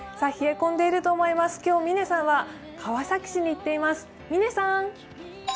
冷え込んでいると思います、今日嶺さんは川崎市に行っています。